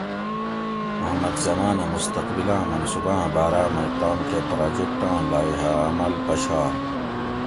محمد زمان اۤ مستقبلاۤں منصوباۤں باراۤ مئی تام کہ پراجیکٹاں لائحہ عمل پشائے